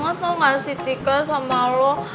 gue tuh iri banget tau gak sih tika sama lo